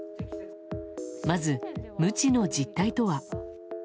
まず、ムチの実態とは。